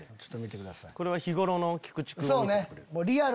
これは日頃の菊池くん。